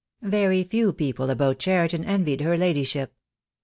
Very few people about Cheriton envied her lady ship.